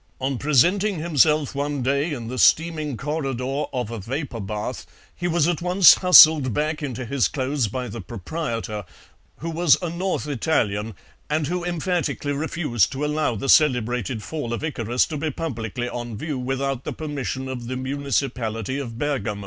On presenting himself one day in the steaming corridor of a vapour bath, he was at once hustled back into his clothes by the proprietor, who was a North Italian, and who emphatically refused to allow the celebrated Fall of Icarus to be publicly on view without the permission of the municipality of Bergamo.